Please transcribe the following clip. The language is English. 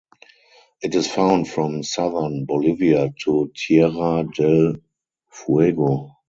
It is found from southern Bolivia to Tierra del Fuego.